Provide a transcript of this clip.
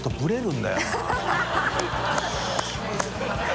ハハハ